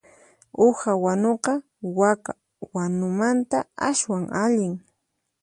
Uha wanuqa waka wanumanta aswan allin.